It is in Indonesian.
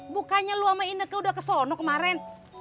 bukannya lo sama ineke udah kesono kemaren